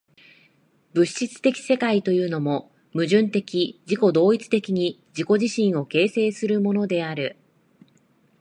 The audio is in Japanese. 物質的世界というも、矛盾的自己同一的に自己自身を形成するものである。